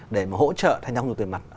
để hỗ trợ thanh toán không dùng tiền mặt